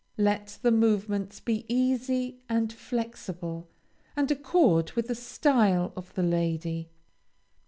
Let the movements be easy and flexible, and accord with the style of the lady.